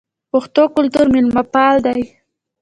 پښتو کلتور میلمه پال دی